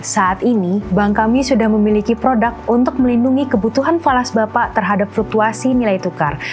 saat ini bank kami sudah memiliki produk untuk melindungi kebutuhan falas bapak terhadap fluktuasi nilai tukar